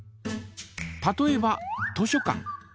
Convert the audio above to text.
例えば図書館。